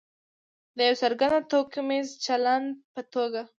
د یو څرګند توکمیز چلند په توګه.